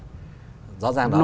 rõ ràng đó là hai giải pháp